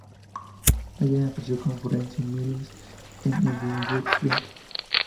Allen apareció como Florence Mills en Edinburgh Fringe.